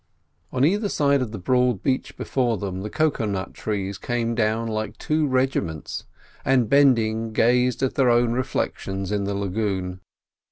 On either side of the broad beach before them the cocoa nut trees came down like two regiments, and bending gazed at their own reflections in the lagoon.